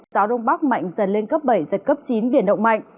gió đông bắc mạnh dần lên cấp bảy giật cấp chín biển động mạnh